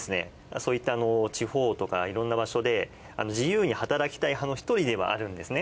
そういった地方とかいろんな場所で自由に働きたい派の１人ではあるんですね。